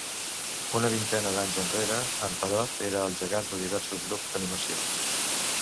Una vintena d'anys enrere, en Perot era el gegant de diversos grups d'animació.